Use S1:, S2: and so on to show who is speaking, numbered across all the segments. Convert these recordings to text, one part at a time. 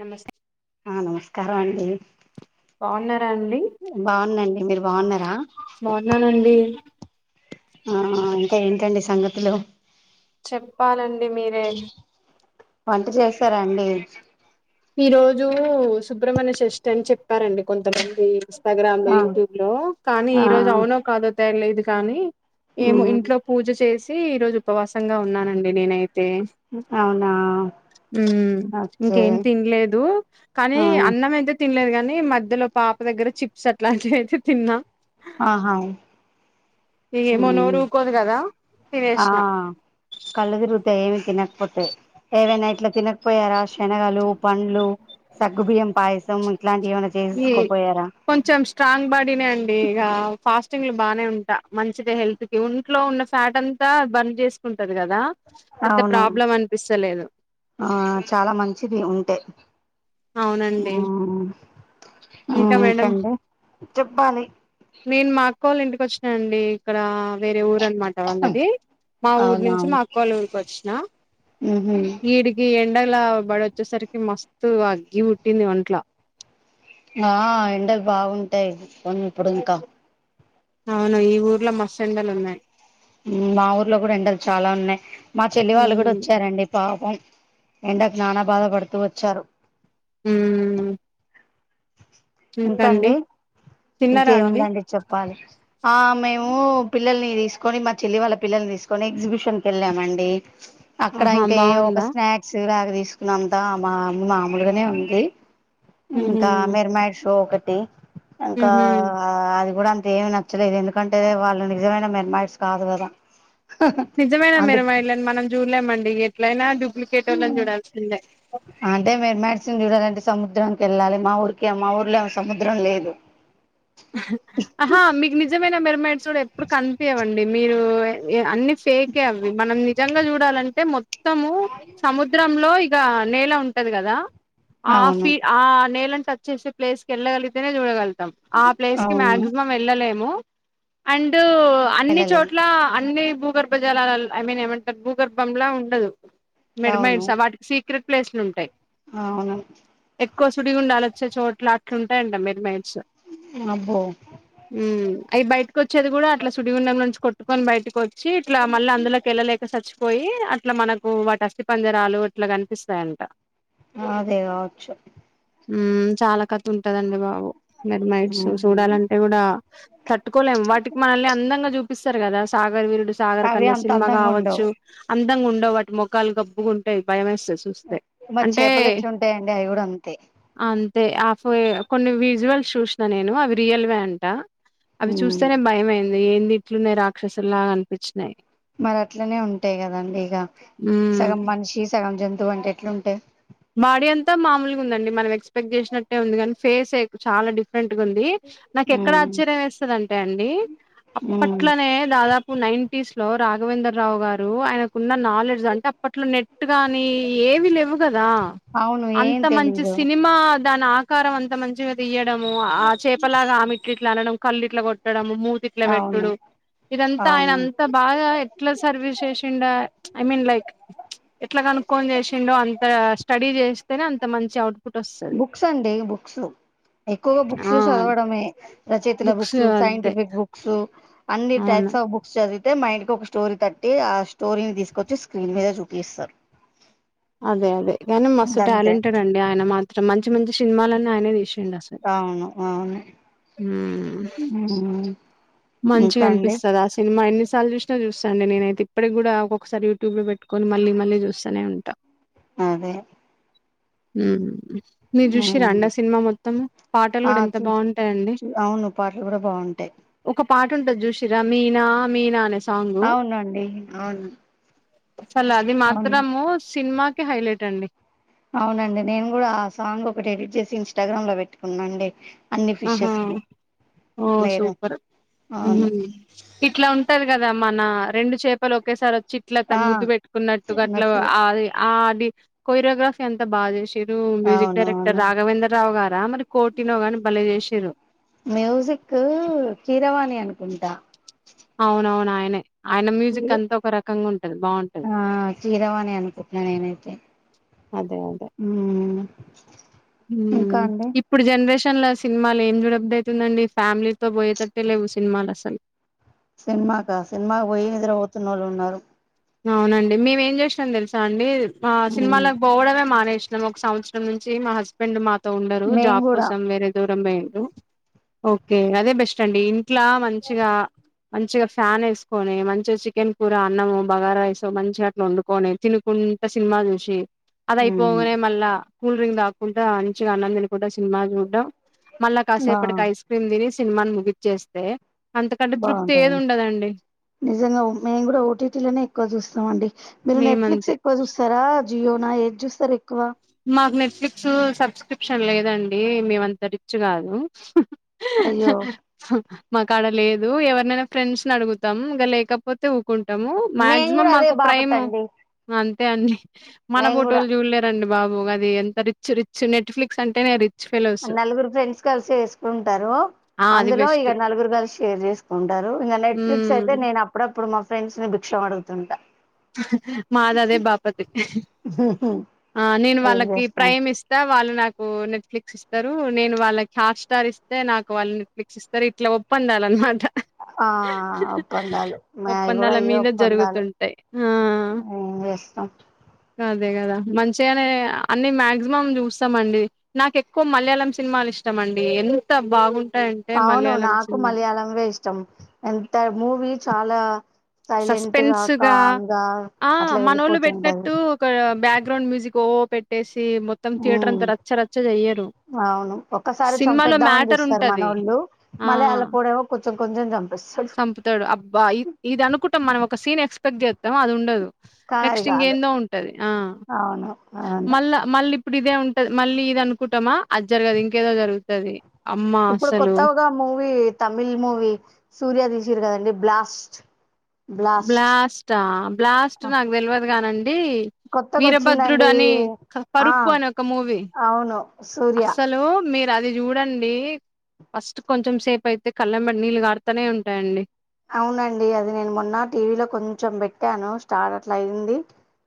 S1: నమస్తే
S2: ఆ నమస్కారం అండి
S1: బాగున్నారా అండి
S2: బాగున్నండి మీరు బాగున్నరా
S1: బాగున్నానండి
S2: ఆ ఇంకా ఏంటండి సంగతులు
S1: చెప్పాలండి మీరే
S2: వంట చేశారా అండి
S1: ఈ రోజు సుబ్రహ్మణ్య షష్ఠి అని చెప్పారండి కొంతమంది ఇన్స్టాగ్రామ్ లో
S2: ఆ
S1: యూట్యూబ్ లో కానీ ఈ
S2: ఆ
S1: రోజు అవునో కాదో తెలీదు కానీ ఏమో
S2: ఉమ్
S1: ఇంట్లో పూజ చేసి ఈ రోజు ఉపవాసంగా ఉన్నానండి నేనై తే
S2: అవునా
S1: ఉమ్
S2: ఓకే
S1: ఇంకే తినలేదు కానీ
S2: ఆ
S1: అన్నం అయితే తినలేదు కాన్ నీ మధ్యలో పాప దగ్గర చిప్స్ అట్లాంటివి అయితే తిన్నాం
S2: ఆహ
S1: ఇగ ఏమో
S2: ఉమ్
S1: నోరు ఊకోదు కదా
S2: ఆ
S1: తినేసిన
S2: కళ్ళదిరుత ఏమి తినకపోతేయి ఏవైనా ఇట్లా తినకపోయారా శనగలు పండ్లు సగ్గుబియ్యం పయసం
S1: ఈ కొంచెం స్ట్రాంగ్ బాడీనే అండి ఇగా ఫాస్ట్ చెమిలో బానే ఉంటా మంచిద హెల్త్ కి వొంట్లో ఉన్న ఫ్యాట్ అంతా బర్న్ చేసుకుం టది కదా పెద్ద
S2: అవును
S1: ప్రాబ్లం అనిపిస్తలేదు
S2: ఆ చాలా మంచిది ఉంటే
S1: అవునండి
S2: ఉమ్
S1: ఇంకా మేడం
S2: ఇంకండి చెప్పాలి
S1: నేను మాక్క వాళ్ళింటికి వచ్చినానండి ఇక్కడ వేరే ఊరు అనమాట వాళ్ళది మా ఊరు
S2: అవునా
S1: నుంచి మా అక్కోళ్ళ ఊరికోచ్చిన
S2: ఉహు
S1: ఈడ్కి ఎన్ డల బడి వచ్చేసరికి మస్తుత్ అగ్గి పుట్టింది ఒంట్ల
S2: ఆ ఎండలు బాగుంటయి కొన్నీప్పుడు ఇంకా
S1: అవును ఈ ఊర్లో మస్ ఎండలున్నాయి
S2: మా ఊర్లో కూడా ఎండలు చాలా ఉన్నాయి మా చెల్లి వాళ్ళు కూడా
S1: ఉమ్
S2: వచ్చారండి పాపం ఎండాకు చానా బాధపడుతూ వచ్చారు
S1: ఉమ్
S2: ఇంకండి
S1: తిన్నారా అండి
S2: ఇంకేముందండి చెప్పాలి ఆ మేము పిల్లల్ని తీసుకొని మా చెల్లి వాళ్ళ పిల్లల్ని తీసుకొని ఎగ్జిబిషన్కిళ్ళామండి అక్కడ
S1: ఆహా
S2: ఇంకా ఏ ఒక
S1: బాగుందా
S2: స్నాక్స్ లాగా తీసుకున్నంత మా మామూలుగానే ఉంది ఇంకా
S1: ఉహు
S2: మేర్మాడ్ షో ఒకటి ఇంకా
S1: ఉహు
S2: అది కూడా దేమి నచ్చలేదు ఎందుకంటే వాళ్ళు నిజమైన మెర్మాట్స్ కాదు కదా
S1: నిజమేనా
S2: అందుకు
S1: మరమల మనం చూడలేమండి ఎట్లయినా జు
S2: ఉమ్ అంటే మెర్మైడ్ని మ్యాడిసిన్ చూడాలంటే సముద్రంనికి వెళ్ళాలి మా ఊరికి మా ఊర్లో సముద్రం లేదు
S1: అహా మీకు నిజమైన మిర్మైడ్స్ కూడా ఎప్పుడు కనిపేవండి మీరు ఏ అన్ని ఫేకే అవి మనం నిజంగా చూడాలంటే మొత్తము సముద్రంలో ఇగా నేల ఉంటది కదా ఆ
S2: అవును
S1: ఫీ ఆ నే టచ్ చేసి పలేస్ క వెళ్లగలిగితేనే చూడగలుతాం ఆ ప్లేస్ కి
S2: అవును
S1: మాక్సిమం ఏళ్ళలేము ము అండ్ అన్ని
S2: వెళ్ళలేం
S1: చోట్ల అన్ని భూగర్భ జలాల ఐ మీన్ ఏమంటారు భూగర్భంల ఉండదు
S2: అవును
S1: మెడ్మైడ్స్ వాటికి సీక్రెట్ ప్లేస్లు ఉంటాయి
S2: అవును
S1: ఎక్కువ సుడి ఉండాల్ వచ్చే చోట్ల అట్లుంటయండి మీరు మేడ్చస్
S2: అబ్బో
S1: అవి బయటకు వచ్చేది కూడా అట్లా సుడిగుండం నుంచి కొట్టుకని బయటకు వచ్చి ఇట్లా మళ్ళీ అందులోకి వెళ్ళలేక సచ్ పోయి అట్లా మనకు వాటి అస్తి పంజరాలు ఇట్లా కనిపిస్తాయంట
S2: అదే కావచ్చు
S1: ఉమ్ చాలా కతు ఉంటదండి బాబు మీరుమై సో
S2: ఉమ్
S1: చూడాలంటే కూడా తట్టుకోలేము వాటికి మనల్ని అందంగా చూపిస్తరు కదా సాగర్ విరు సాగర్
S2: అవి
S1: కనే
S2: అంత
S1: సినిమా
S2: అందంగా ఉండవు
S1: కావచ్చు అందంగా ఉండ వాటి మొఖాలు గబ్బుగా ఉంటాయి భయేస్ తది చూస్తే
S2: మరి చేపలు ఎట్లుంటాయండి అవి కూడా అంతే
S1: అం టె అ ఆఫ కొన్ని విజువల్స్ చూసిన నేను అవి రియల్వే అంట అవి
S2: ఉమ్
S1: చూస్తేనే భయంమయింది ఏంది ఇట్లున్నాయి రాక్షసులాగా అనిపించినయి
S2: మరి అట్లనే ఉంటాయి కదండి ఇక
S1: హ్మ్
S2: సగం మనిషి సగం జంతువు అంటే ఎట్లుంటడి
S1: బాడీ అంతా మామూలుగా ఉందండి మనం ఎక్స్పెక్ట్ చేసినట్టే ఉంది కాని ఫేస్ చాలా డిఫ్ రేట్ఉంది నాకు ఎక్కడ
S2: ఉమ్
S1: ఆశ్చర్యం వేస్తదాంటే అండి
S2: ఉమ్
S1: అప్పట్లనే దాదాపు నైన్టిస్ లో రాఘవేందర్ రావు గారు ఆయనకున్న నాలెడ్జ్ అంటే అప్పట్లో నెట్ గాని ఏవి ద
S2: అవును ఏం
S1: అంత మంచి
S2: తెలీదు
S1: సినిమా దాని ఆకారం అంత మంచిగా తీయడము ఆ చేపలాగా ఆమె ఇట్లు ఇట్లా అనడం కళ్ళు ఇట్ల కొట్టడడం మూతిట్ల
S2: అవును
S1: పెట్టుడు ఇదంతా ఆయన
S2: అవును
S1: అంతా బాగా ఎట్లా సర్వీస్ చేసిండ ఐ మీన్ లైక్ ఎట్లా కనుక్కొని చేసిండో అం స్టడీ చేస్తేనే అంత మంచి అవు
S2: బుక్స్ అండి బుక్స్ ఎక్కువ బుక్స్
S1: ఆ
S2: చదవడమే రచయితల బుక్స్ సైంటిఫిక్ బుక్స్ అన్ని టైప్
S1: అవును
S2: స బుక్స్చిది తే మైండ్ క ఒక స్టోరీ తట్టి ఆ స్టోరీని తీసుకొచ్చి స్క్రీన్ మీద చూపిస్తారు
S1: అదే అదే కానీ మస్తు
S2: గంతే
S1: టాలెంటెడ్ అండి ఆయన మాత్రం మంచి మంచి సినిమాలన్నీ ఆయనే తీసు
S2: అవును అవును
S1: మ్మ్
S2: ఉహు
S1: మంచిగా అనిపిస్తది ఆ సినిమా అ సార్లు చూసిన చూస్తాండి నేనైయి ఇటికి కూడా ఒక్కసారి యూట్యూబ్ లో పెట్టుకని మళ్ళీ మళ్ళీ చూస్తూనే ఉంట
S2: అదే
S1: ఉహు మీరు చూసేరా
S2: ఉమ్
S1: అండి సినిమా మొత్తం పాటలు
S2: ఆ
S1: కూడా ఎంత
S2: చూ
S1: బాగుంటాయండి
S2: టె
S1: ఒక పాట ఉంటది చూసిరా మీనా మీనా అనేస్ సాంగ్
S2: అవునండి అవును
S1: అసలు అది
S2: అవును
S1: మాత్రము సినిమా కే హైలైట్ అండి
S2: అవునండి నేను కూడా ఆ సాంగ్ ఒకటి ఎడిట్ చేసి ఇన్స్టాగ్రామ్ లో పెట్టుకున్నాండి అన్ని
S1: ఆహా
S2: ఫిషెస్ కి
S1: ఓ
S2: నేను
S1: సూపర్ ఉహు
S2: అవును
S1: ఇట్లా ఉంటది కదా మన రెండు చేపలు ఒకేసారి చిట్లక్
S2: ఆ
S1: తనుముద్దు పెట్టుకున్నట్టుగట్లా
S2: అన్నట్టు
S1: ఆది కోరియోగ్రఫీ అంత బాగా చేసి మీరు మ్యూజిక్
S2: అవును
S1: డైరెక్టర్
S2: అవును
S1: రాఘవేంద్ర రావు గారా మరి కోటి నో గని
S2: మ్యూజిక్ కీరవాణి అనుకుంట
S1: అవునవును ఆయనే ఆయన మ్యూజిక్ అంతా ఒక రకంగా ఉంటది బాగుంటది
S2: ఆ కీరవాణి అనుకుంటున్నా నేనైతే
S1: అదే అదే
S2: మ్మ్ ఇంకా
S1: ఉమ్
S2: అండి
S1: ఇప్పుడు జనరేషన్ లోస్ సినిమాలు ఏం జూడబుద్దవుతుందండి ఫ్యామిలీతో పోయేటట్టే లేవు సినిమాలు అసలు
S2: సినిమాకా సినిమాకి పోయి ఎదరు పోతున్న వాళ్ళు ఉన్నారు
S1: అవునండి మేమేం చేసినాం తెలుసా అండి మా
S2: మ్మ్
S1: సినిమాలకు పోవడమే మానేస్ క్షణం ఒక సంవత్సరం నుంచి మా హస్బెండ్ మాతో ఉండరు
S2: మేం
S1: జాబ్
S2: కూడా
S1: కోసం వేరే దూరం పోం దో ఓకే అదే బెస్ట్ అండి ఇంట్లా మంచిగా మంచిగా ఫ్యాన్ వేసుకొని మంచిగా చికెన్ కూర అన్నము బగారైస్ మంచిగా అట్లా వండుకొని తినుకుంట సినిమా చూసి
S2: మ్మ్
S1: అదయిపోగానే మళ్ళా కూల్ డ్రింక్ దాకుంట మంచిగా అన్నం తినకోడం సినిమా చూడటం మళ్ళా
S2: బా
S1: కాసేపటికి ఐస్ క్రీమ్ తినెస్ సినిమాని ముగికాచేస్తే
S2: బాగుంటాదిడి నిజంగా మేము కూడా ఓటీటీలనే ఎక్కువ చూస్తామండి మీరు
S1: మేమంతే
S2: నెట్ఫ్లిక్స్ ఎక్కువ చూస్తారా జియోనా ఏది చూస్తరు ఎక్కువ
S1: మాకు నెట్ఫ్లిక్స్ సబ్స్క్రిప్షన్ లేదండి మేమంత రిచ్చ్ కాదు
S2: అయ్యో
S1: మాకడ లేదు ఎవరినైనా ఫ్రెండ్స్ని అడుగుతాం ఇంక లేకపోతే కుంటము
S2: మేము
S1: మాక్సిమం
S2: కూడా అదే
S1: మాకు
S2: బాపత్
S1: ప్రైమ్
S2: అండి
S1: అంతే అండి మన
S2: మేము కూడా
S1: బిడ్డోళ్ళు చూడలేరండి బబో అది ఎంత రిచ్ రిచ్ నెట్ఫ్లిక్స్ అంటేనే రిచ్ ఫెలోస్
S2: నలుగురు ఫ్రెండ్స్ కలిసి వేసుకుంటరు
S1: ఆ అది
S2: అందులో
S1: బెస్ట్
S2: ఇగ నలుగురు కలిసి షేర్ చేసుకుంటరు ఎప్పుడిగా నెట్ఫ్లిక్స్
S1: హ్మ్
S2: అయితే నేను అప్పుడప్పు మా ఫ్రెండ్స్ ని భిక్ష అడుగుతుంట
S1: మాదదే బాపతి ఆ నేను
S2: ఏం
S1: వాళ్ళకి
S2: చేస్తాం
S1: ప్రైమ్ ఇస్తా వాళ్ళు నాక్ కు నెట్ఫ్లిక్స్ ఇస్తారు నేను వాళ్ళకి హాట్ స్టార్ ఇస్తే నాకు వాళ్ళ నెట్ఫ్లిక్స్ ఇస్తారు ఇట్లా ఒప్పందాలన్నమాట
S2: ఆ ఒప్పందాలు మాయి కూడా
S1: ఒప్పందాల
S2: ఇయ్య
S1: మీద
S2: ఒప్పందాలు
S1: జరుగుతుంటాయి. ఆ
S2: ఏ వేస్తాం
S1: అదే కదా మంచిగనే అన్ని మాక్సిమం చూస్తామండి నాకు ఎక్కువ మలయాళం సినిమాల్ ఇష్టంమండి ఎంత బాగుం
S2: అవును నాకు మలయాళంవే ఇష్టం ఎంత మూవీ చాలా సైలెంట్ గా కామ్ గా
S1: ఆ
S2: అట్లా
S1: మనోళ్ళు
S2: వెళ్ళిపోతుంటది
S1: పెట్టినట్టు తే మొత్తం థియేటర్
S2: ఉమ్
S1: అంతా రచ్చరచ్చ చెయ్యరు
S2: అవును ఒక్కసారి
S1: సినిమాలో
S2: చంపైద్దామని
S1: మ్యాటర్
S2: చూస్తారు మన
S1: ఉంటది.
S2: ఒళ్ళు మళ్ళీ అల్లపూడేమో కొంచెం కొంచెం చం
S1: చంపుతడు అబ్బా ఇ ఇది అనుకుంటాం మనం ఒక సీన్ ఎక్స్పెక్ట్ చేస్తాం అది ఉండదు
S2: కానీ అది
S1: నెక్స్ట్
S2: కాదు
S1: ఇంకేందో ఉంటది ఆ
S2: అవును అవును
S1: మళ్ళా మళ్ళీ ఇప్పుడు ఇదే ఉంటది మళ్ళీ ఇది అనుకుంటమా అది జరగదు ఇంకేదో జరుగుతుది
S2: ఇప్పుడు కొత్తగ ఒక మూవీ తమిళ్ మూవీ సూర్యదీస్ సిర్కథండి బ్లాస్ట్ బ్లాస్ట్
S1: బ్లాస్ట బ్లాస్ట్ నాకు తెలవదు కానండి
S2: కొత్తగా
S1: వీరభద్రుడు
S2: వచ్చిందండి
S1: అని
S2: ఆ
S1: కరుపు అని ఒక మూవీ
S2: అవును సూర్య
S1: అసలు మే అది చూడండి ఫస్ట్ కొంచెం సేపు అయితే కల్లంబడి నీళ్ళు కరూతనే ఉంటాయండి
S2: అవునండి అది నేను మొన్న టీవీలో కొంచెం పెట్టాను స్టార్ అట్ల అయింది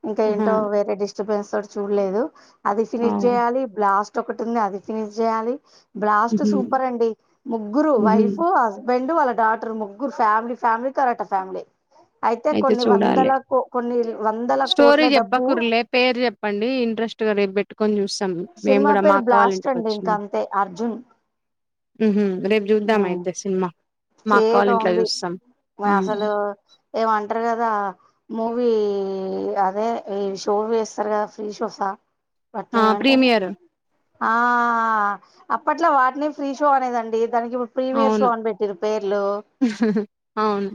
S2: ఇంకా
S1: ఆహా
S2: ఏంటో వేరే డిస్టర్బెన్స్ తోటి చూడలేదు అది
S1: ఆ
S2: ఫినిష్ చేయాలి బ్లాస్ ఒకటి ఉంది అది ఫినిష్ చేయాలి బ్లాస్ట్
S1: ఉహు
S2: సూపర్ అండి ముగ్గురు
S1: ఉహు
S2: వైఫ్ హస్ బెండు వాళ్ళ డాటర్ ముగ్గురు ఫ్యామిలీ ఫ్యామిలీ కరాట ఫ్యామిలీ అయితే కొన్ని వందల కో కొన్ని వందల
S1: స్టోరీ
S2: కోట్ల డబ్బు
S1: చెప్పకుర్లే పేరు చెప్పండి ఇంట్రెస్ట్ గా రేపు పెట్టుకొని చూస్తాం మేము
S2: సినిమా
S1: కూడా
S2: పేరు
S1: మాకు కావాలి
S2: బ్లాస్ట్ అండి ఇంక
S1: ఇంటికోచ్చినాం
S2: అంతే అర్జున్.
S1: ఉహు రేపు చూద్దాం అయితే సినిమా మా అక్క వాళ్ళ ఇంట్లో
S2: చేతోన్ది
S1: చూస్తాం హ్మ్
S2: అసలు ఏమంటరు కదా మూవీ అదే ఈ షో వేస్తారు కదా ఫ్రీ షోసా
S1: ఆ
S2: వట్నెమంటర్
S1: ప్రీమియర్
S2: ఆ అప్పట్లా వాటిని ఫ్రీ షో అనేదండి దానికి ప్రీమియర్ షో
S1: అవును
S2: అని పెట్
S1: అవును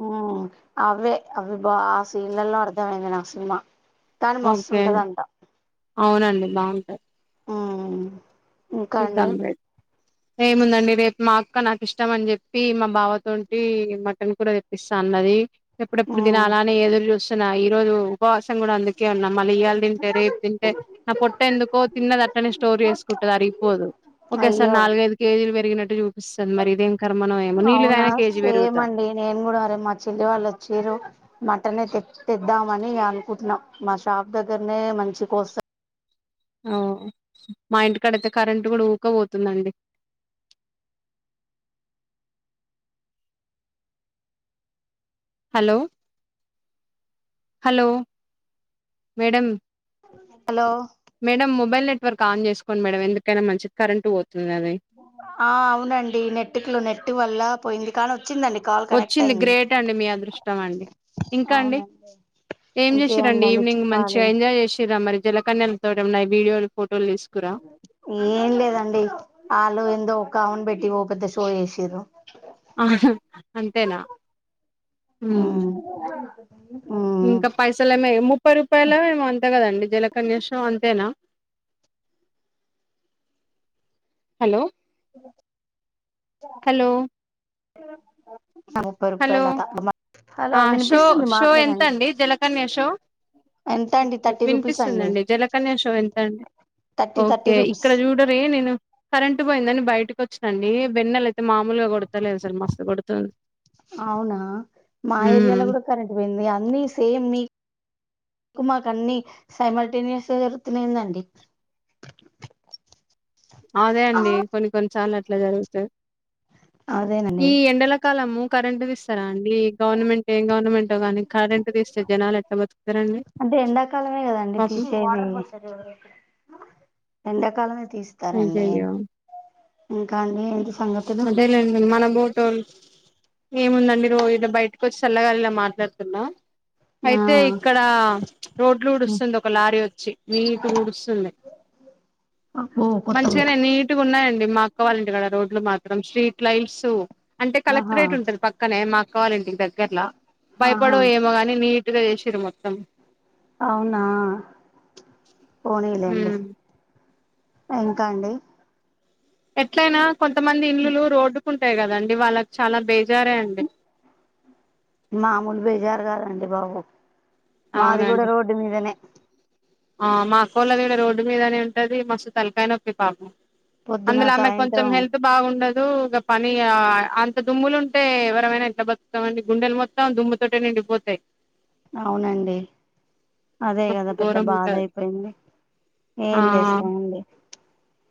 S2: అవ్వే అవి బ ఆ సీన్లలో అర్థమైంది సినిమా కాని
S1: ఓకే
S2: మస్తుంటదంట
S1: అవునండి బాగుంటాయి
S2: ఉమ్ ఇంకా అండి
S1: [unintelligible] ఏముందండి రేపు మా అక్క నాకు ఇష్టం అని చెప్పి మా బావతోంటి మటన్ కూడా తెప్పిస్తా అన్నది ఎప్పుడెప్పుడు
S2: ఉమ్
S1: తినాలా అని ఎదురు చూస్ ఈ రోజు ఉపవాసం కూడా అందుకే ఉన్నా మళ్ళీ ఇయ్యాల తింటే రేపు తింటే నా పొట్ట ఎందుకో తిన్నద అట్టనే స్టోర్ చేసుకుంటది అరిగిపోదు ఓకే సారి
S2: అయ్యో
S1: నాలుగైఐదు కేజీలు పెరిగినట్టు చూ
S2: అవునా
S1: కేజీ
S2: సేమ్
S1: పెరుగుతా
S2: అండి నేను కూడా అరే మా చెల్లి వాళ్ళు వచ్చిరు మటనే తెద్దామని అనుకుంటున్నాం మా షాప్ దగ్గరనే మంచి కోస్త
S1: ఓ మా ఇంటికాడైతే కరెంట్ కూడా ఊక పోతుందండి
S2: అ
S1: hello hello madam
S2: hello
S1: madam mobile network on చేసుకోండి మేడం ఎందుకైనా మంచిది కరెంట్ పో
S2: ఆ అవునండి నెట్టుకులు నెట్ వల్ల పోయింది కానీ వచ్చిందండి కాల్ కనెక్ట్
S1: వచ్చింది
S2: అయింది
S1: గ్రేట్ అండి మీ అదృష్టం అండి ఇంకండి
S2: అవునండి
S1: ఏం చేసిరండి
S2: ఇంకేముందండి
S1: ఈవినింగ్ మంచిగా
S2: చెప్పాలి
S1: ఎంజాయ్ చేసిరా మరి జలకన్యలు తోటి ఉన్నాయి వీడియోలు ఫో
S2: ఏం లేదండి వాళ్ళు ఎందో ఒకమెను పెట్టి ఓ పెద్ద షో చేసిరు
S1: ఆ అంతేనా హ్మ్
S2: ఉమ్ ఉమ్
S1: ఇంకా పైసలు ఏమ ముప్పై రూపాయలో ఏమో అంతే కదండి జలకన్య షో అంతేనా హలో
S2: ఎ
S1: హలో
S2: అ
S1: హలో
S2: హలో
S1: షో
S2: వినిపిస్తుంది
S1: షో
S2: మాట్లాడండి
S1: ఎంతండి జలకన్య షో
S2: ఎంత అండి థర్టీ రూపీస్ అండి
S1: వినిపిస్తుందండి జలకన్య షో ఎంతండి
S2: థర్టీ థర్టీ
S1: ఓకే
S2: రూపీస్
S1: ఇక్కడ చూడరే నేను కరెంటు పోయిందని బయటకి వచ్చినండి వెన్నెల అయితే మామూలుగా కొడతలేదు అసలు మస్తు కొడుతుంది
S2: అవునా మా ఏరియాలో కూడా కరెంట్ పోయింది అన్నీ సేమ్ మీ మీకు మాకన్నీ సైమల్టేనియస్గా జరుగుతునేయిందండి
S1: అదే అండి కొన్ని కొన్ని సార్లు అట్లా జరుగుతాయి
S2: అదేనండి
S1: ఈ ఎండల కాలము కరెంటు తీస్తరా అండి ఈ గవర్నమెంట్ ఏం గవర్నమెంటో గాని కరెంట్ తీస్తే జనాలు ఎట్లా బతుకుతారండి
S2: కాలమే కదండి
S1: పాపం?
S2: తీసేది ఎండాకాలమే తీస్తారండి
S1: అయ్యయ్యో!
S2: ఇంకా అండి సంగతులు
S1: అదే లేండి మనం బోటోలు ఏముందండి రోజు ఇట్లాబయటకు వచ్చి చల్లగాలిలా మాట్లాడుతున్నా
S2: ఆ
S1: అయితే ఇక్కడ రోడ్లు ఊడుస్తుంది ఒక లారీ వచ్చి నీటుగ ఊడుస్తుంది
S2: అ
S1: మంచిగానే నీట్గా ఉన్నాయండి మా అక్క వాళ్ళింటి దగ్గర రోడ్లు మాకు స్ట్రీట్ లైట్స్ అంటే
S2: ఆహా
S1: కలెక్టరేట్ ఉంటది పక్కనే మా అక్క వాళ్ళింటికి దగ్గరలా
S2: ఆహా
S1: భయపడో ఏమో గాని నీట్గా చేసిరు మొత్తం
S2: అవునా పోనీలేండి
S1: హ్మ్
S2: ఇంకా అండి
S1: ఎట్లయినా కొంతమంది ఇల్లులు రోడ్డుకు ఉంటాయి కదండి వాళ్ళకి చాలా బేస్
S2: మామూలు బేజార్ గాదండి బాబు మాది గుడ
S1: అవునండి
S2: రోడ్డు మీదనే
S1: ఆ మా అక్కోళ్ళది గూడ రోడ్డు మీదనే ఉంటది మస్తు తలకాయ నొప్పి పాపం
S2: పొద్దున
S1: అందులో ఆమె కొంచెం
S2: సాయంత్రం
S1: హెల్త్ బాగుండద్ దు గ పని ఆ అంత దుమ్ములు ఉంటే ఎవరమైనా ఎట్ల బతుకామండి గుండెలు మొత్తం దుమ్ముతోటె నిండి డిపోతాయి
S2: అవునండి అదే కదా
S1: మస్తు
S2: పెద్ద
S1: ఘోరం
S2: బా
S1: ఉంటది
S2: అదయిపోయింది
S1: ఆ
S2: ఏం చేస్తామండి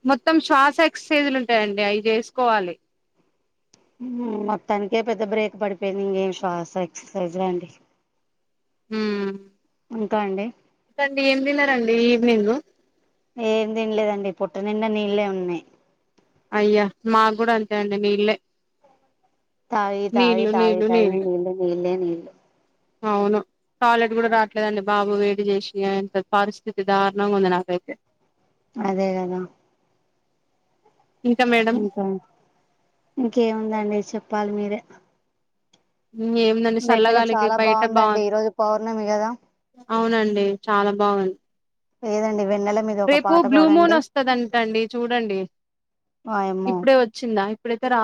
S1: మొత్తం శ్వాస ఎక్సర్సైజ్లు ఉంటయండి అవి చేసుకోవాలి
S2: మొత్తానికే పెద్ద బ్రేక్ పడిపోయింది ఇంకేం శ్వాస ఎక్సర్సైజ్ అండి
S1: ఉమ్
S2: ఇంక అండి
S1: కండి ఏం తిన్నారండి ఈవినింగ్
S2: ఏం తినలేదండి పుట్ట నిండా నీళ్ళే ఉన్నాయి్
S1: అయ్యా మాకు కూడా అంతే అండి నీళ్ళే
S2: తాయి తాయి
S1: నీళ్లు
S2: తాయి
S1: నీళ్లు
S2: తాయి
S1: నీళ్లు
S2: నీళ్లే నీళ్లే నీళ్ళు
S1: అవును టాయిలెట్ కూడా రావట్లేదండి బాబు వేడి చేసి అంత పరిస్థితి దారుణంగా ఉంది నాకైతే
S2: అదే కదా
S1: ఇంకా మేడం
S2: ఇంకా ఆన్ ఇంకేముందండి చెప్పాలి మీరే
S1: ఏమిందండి
S2: వెన్నెల
S1: చల్లగాలికి
S2: చాలా
S1: బయట బా
S2: బాగుందండి ఈరోజు పౌర్ణమి కదా
S1: అవునండి చాలా బాగుం
S2: లేదండి వెన్నెల మీద ఒక
S1: రేపు
S2: పాట
S1: బ్లూమూన్
S2: పాడండి
S1: వస్తదంటండి చూడండి
S2: వాయమ్మో
S1: ఇప్పుడే ఓచ్చిందా ఇప్పుడైతే రా